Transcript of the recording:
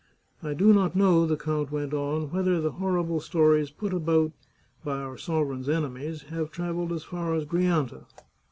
" I do not know," the count went on, " whether the hor rible stories put about by our sovereign's enemies have travelled as far as Grianta.